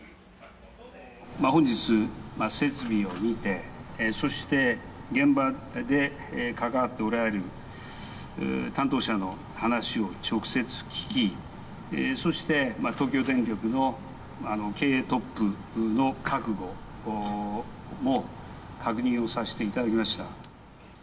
本日、設備を見て、そして現場で関わっておられる担当者の話を直接聞き、そして東京電力の経営トップの覚悟も確認をさせていただきました。